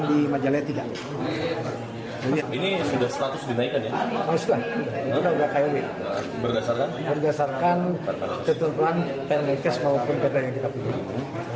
berdasarkan ketentuan pendekes maupun ketenangan kita punya